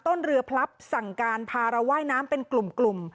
ต้นเรือพลับสั่งการพาเราว่ายน้ำเป็นกลุ่ม